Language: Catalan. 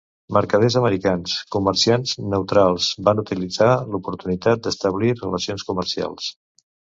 Mercaders americans, comerciants neutrals, van utilitzar l'oportunitat d'establir relacions comercials.